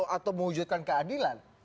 atau mewujudkan keadilan